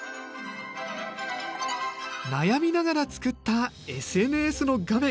悩みながら作ったＳＮＳの画面。